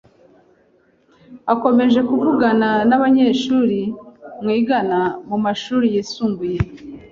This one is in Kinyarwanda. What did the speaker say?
Ukomeje kuvugana nabanyeshuri mwigana mumashuri yisumbuye?